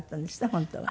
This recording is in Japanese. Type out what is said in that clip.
本当は。